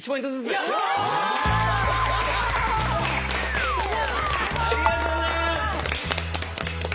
ありがとうございます！